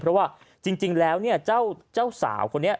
เพราะว่าจริงแล้วเนี่ยเจ้าสาวคนนี้